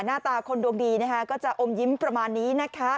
หน้าตาคนดวงดีนะคะก็จะอมยิ้มประมาณนี้นะคะ